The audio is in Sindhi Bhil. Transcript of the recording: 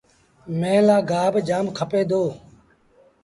ميݩهن لآ گآه با جآم کپي دو۔